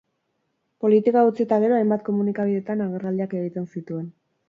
Politika utzi eta gero, hainbat komunikabidetan agerraldiak egiten zituen.